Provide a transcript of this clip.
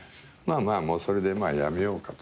まあそれで辞めようかと。